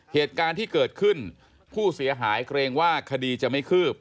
เหตุการณ์ที่เกิดขึ้นผู้เสียหายเกรงว่าคดีจะไม่คืบ